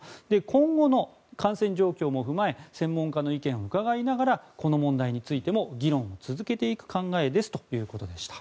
今後の感染状況も踏まえ専門家の意見を伺いながらこの問題についても議論を続けていく考えですということでした。